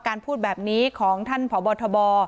พูดแบบนี้ของท่านพบทบ